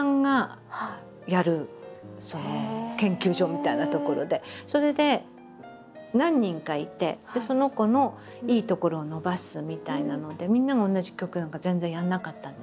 行ったところがそれで何人かいてその子のいいところを伸ばすみたいなのでみんなが同じ曲なんか全然やらなかったんですね。